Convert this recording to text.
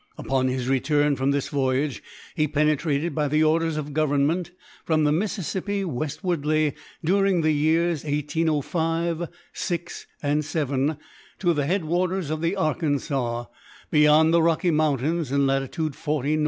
Upon his return from this voyage he penetrated, by the orders of government, from the Mississippi westwardly, during the years 1805, '6, and '7, to the head waters of the Arkansas (beyond the Rocky Mountains in latitude 40 N.)